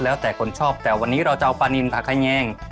แล้วแต่คนชอบแต่วันนี้เราจะเอาปลานินทาแยง